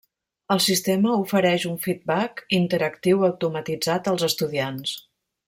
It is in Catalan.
El sistema ofereix un feedback interactiu automatitzat als estudiants.